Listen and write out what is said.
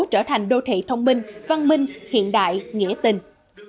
trở thành đô thị thông minh văn minh hiện đại nghĩa tình